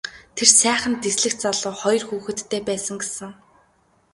Тэр сайхан дэслэгч залуу хоёр хүүхэдтэй байсан гэсэн.